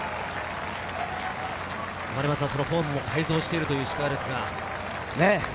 フォームも改造しているという石川です。